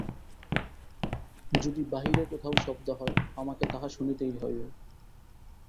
যদি বাহিরে কোথাও শব্দ হয়, আমাকে তাহা শুনিতেই হইবে।